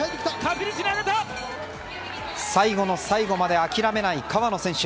最後の最後まで諦めない川野選手。